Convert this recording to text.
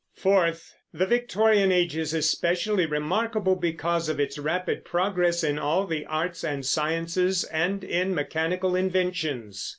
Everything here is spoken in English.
Fourth, the Victorian Age is especially remarkable because of its rapid progress in all the arts and sciences and in mechanical inventions.